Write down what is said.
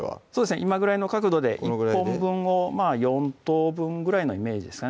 今ぐらいの角度で１本分をまぁ４等分ぐらいのイメージですかね